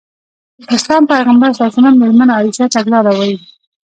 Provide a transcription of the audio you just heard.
د اسلام پيغمبر ص مېرمنه عايشه تګلاره وايي.